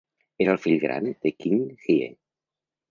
Era el fill gran de King Hye.